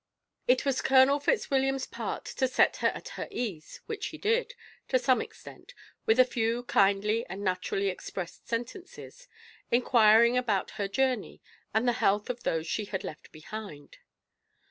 It was Colonel Fitzwilliam's part to set her at her ease, which he did, to some extent with a few kindly and naturally expressed sentences, inquiring about her journey, and the health of those she had left behind.